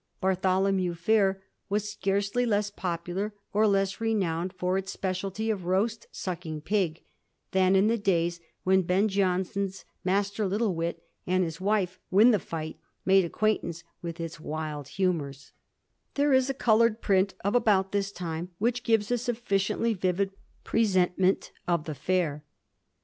Bartholomew Fair was scarcely less popular, or less renowned for its speciality of roast sucking pig, than in the days when Ben Jonson's Master Little Wit, and his wife Win the Fight, made acquaintance with its wild humours* There is a coloured print of about this time which gives a sufficiently vivid presentment of the fair.